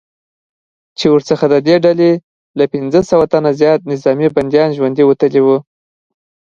چې ورڅخه ددې ډلې له پنځه سوه تنه زیات نظامي بندیان ژوندي وتلي وو